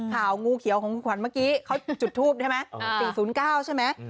งูเขียวของคุณขวัญเมื่อกี้เขาจุดทูปใช่ไหม๔๐๙ใช่ไหม